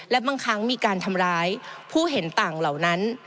และบางครั้งมีการทำร้ายผู้เห็นต่างเหล่านั้น